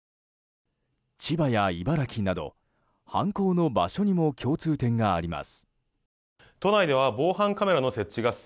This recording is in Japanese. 千葉や茨城など犯行の場所にも共通点があります。